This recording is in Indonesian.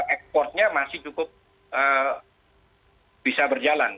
ekspornya masih cukup bisa berjalan